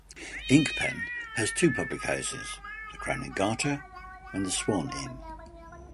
Inkpen has two public houses, the Crown and Garter and the Swan Inn.